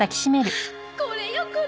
ああこれよこれ